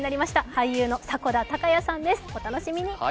俳優の迫田孝也さんです、お楽しみに。